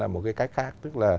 một cách khác